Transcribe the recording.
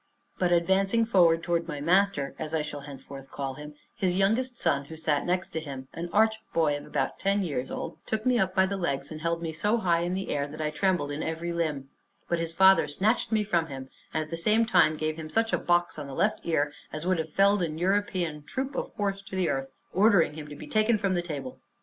But advancing forward toward my master, (as I shall henceforth call him), his youngest son, who sat next to him, an arch boy of about ten years old, took me up by the legs, and held me so high in the air that I trembled in every limb; but his father snatched me from him, and at the same time gave him such a box on the left ear as would have felled an European troop of horse to the earth, ordering him to be taken from the table.